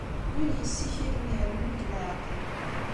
Win yessikilen irennu deg leɛqel.